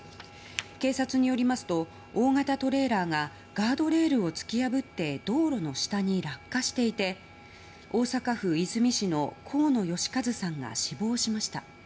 警察によりますと大型トレーラーがガードレールを突き破って道路の下に落下していて大阪府和泉市の河野義和さんが死亡しました。